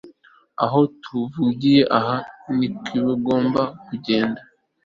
aho tuvugiye aha nikobigomba kugenda